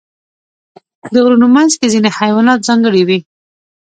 د غرونو منځ کې ځینې حیوانات ځانګړي وي.